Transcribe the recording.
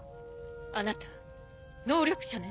あなた能力者ね？